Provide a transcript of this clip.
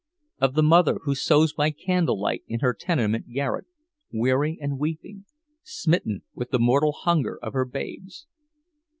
Of the mother who sews by candlelight in her tenement garret, weary and weeping, smitten with the mortal hunger of her babes!